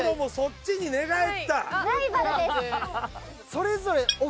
それぞれ。